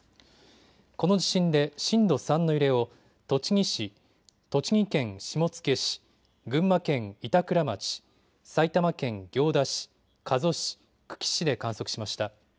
この地震で震度３の揺れを栃木市、栃木県下野市、群馬県板倉町、埼玉県行田市、加須市、久喜市で観測しました。